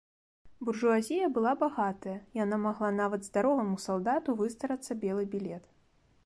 Буржуазія была багатая, яна магла нават здароваму салдату выстарацца белы білет.